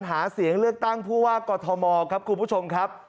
หาเสียงเลือกตั้งผู้ว่ากอทมครับคุณผู้ชมครับ